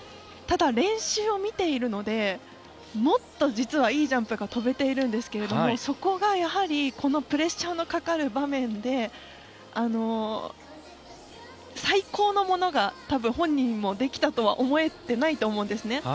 ただ、練習を見ているのでもっと実はいいジャンプが跳べているんですけれどもそこがやはりこのプレッシャーのかかる場面で最高のものが多分、本人もできたと思えていないと思うんですね。